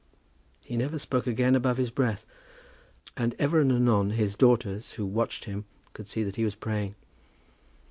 He never spoke again above his breath; but ever and anon his daughters, who watched him, could see that he was praying.